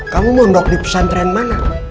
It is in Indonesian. kamu mondok di pesantren mana